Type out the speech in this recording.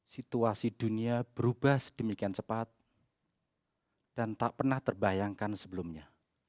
situasi dunia berubah sedemikian cepat dan tak pernah terbayangkan sebelumnya